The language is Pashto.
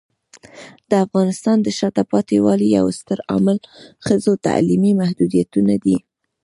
د افغانستان د شاته پاتې والي یو ستر عامل ښځو تعلیمي محدودیتونه دي.